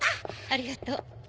ありがとう。